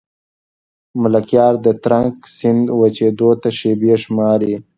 ملکیار د ترنک سیند وچېدو ته شېبې شماري.